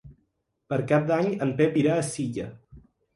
Per Cap d'Any en Pep irà a Silla.